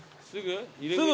すぐ？